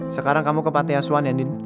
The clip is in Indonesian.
sekarang kamu ke patiasuan ya din